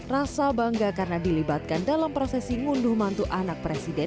rasa bangga karena dilibatkan dalam prosesi ngunduh mantu anak presiden